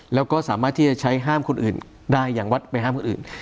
แล้วก็สามารถที่จะใช้ห้ามคนอื่นได้อย่างวัดไปห้ามคนอื่น